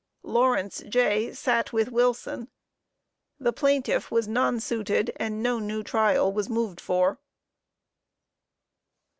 Lawrence, J., sat with Wilson. The plaintiff was nonsuited and no new trial was moved for.